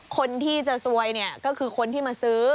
คนที่จะซวยเนี่ยก็คือคนที่มาซื้อ